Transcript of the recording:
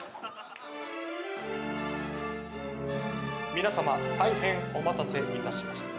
皆様大変お待たせいたしました。